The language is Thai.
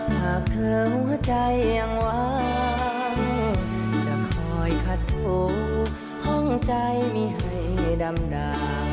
หากเธอหัวใจยังวางจะคอยคัดถูห้องใจมีให้ดำดา